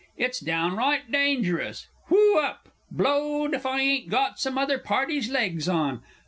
It's downright dangerous! Whoo up! Blowed if I ain't got some other party's legs on!...